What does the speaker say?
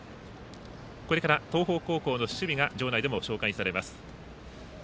これから東邦高校の守備が場内でも紹介されます。